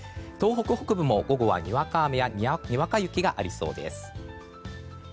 東北北部も午後は、にわか雨やにわか雪がありそうです。